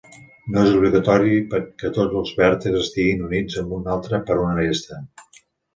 No és obligatori que tots els vèrtexs estiguin units amb un altre per una aresta.